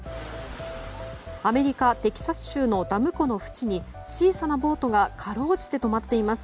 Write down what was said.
アメリカ・テキサス州のダム湖のふちに小さなボートがかろうじて止まっています。